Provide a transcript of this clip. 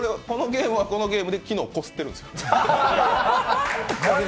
このゲームはこのゲームで昨日こすってるんですよ。